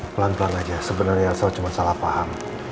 pelan pelan aja sebenarnya saya cuma salah paham